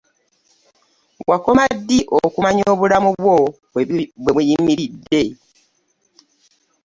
Wakoma ddi okumanya obulamu bwo webuyimiride?